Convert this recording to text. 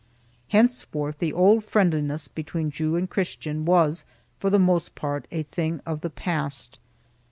Henceforth the old friendliness between Jew and Christian was, for the most part, a thing of the past.